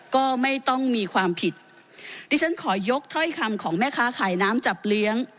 ก็ไม่ต้องมีความผิดดิฉันขอยกถ้อยคำของแม่ค้าขายน้ำจับเลี้ยง